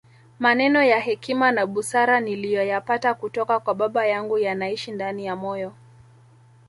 Maneno ya hekima na busara niliyoyapata kutoka kwa baba yangu yanaishi ndani ya moyo